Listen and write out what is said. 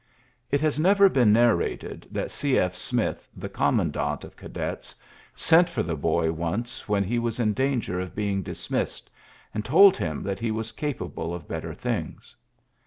'' It has never been narrated b G. F. Smithy the commandant of ets, sent for the boy once when he in danger of being dismissed, and L him that he was capable of better igs.